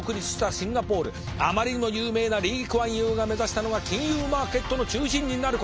あまりにも有名なリー・クアンユーが目指したのが金融マーケットの中心になること。